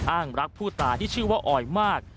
อ้างรักผู้ตายที่ชื่อว่าออยมาก